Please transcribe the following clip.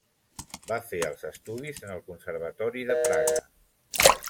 Va fer els estudis en el Conservatori de Praga.